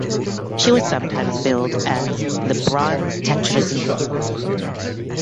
She was sometimes billed as "the Bronze Tetrazzini".